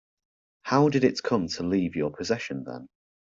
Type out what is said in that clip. How did it come to leave your possession then?